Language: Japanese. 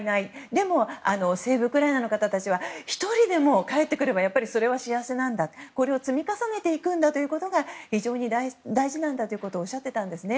でもセーブ・ウクライナの方たちは１人でも帰ってくればそれは幸せなんだこれを積み重ねていくということが大事だとおっしゃっていたんですね。